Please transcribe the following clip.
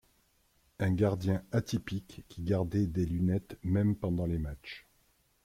Un gardien atypique qui gardait des lunettes même pendant les matches.